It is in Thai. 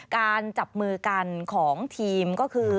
การจับมือกันของทีมก็คือ